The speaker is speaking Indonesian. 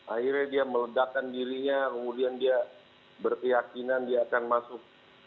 akhirnya dia meledakkan dirinya kemudian dia berkeyakinan dia akan masuk